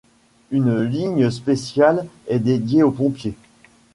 Une ligne spéciale est dédiée aux pompiers.